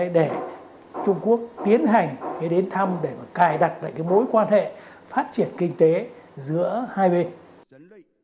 để trung quốc tiến hành đến thăm để cài đặt lại cái mối quan hệ phát triển kinh tế giữa hai bên